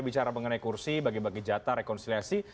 bicara mengenai kursi bagi bagi jatah rekonsiliasi